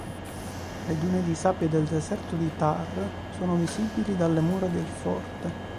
Le dune di sabbia del deserto di Thar sono visibili dalle mura del forte.